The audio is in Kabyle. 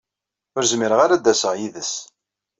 Ur zmireɣ ara ad d-aseɣ yid-s.